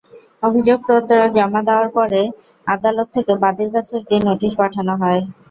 অভিযোগপত্র জমা দেওয়ার পরে আদালত থেকে বাদীর কাছে একটি নোটিশ পাঠানো হয়।